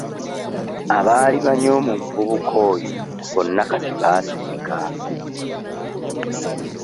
Abaali banyooma omuvubuka oyo bonna kati baasirika.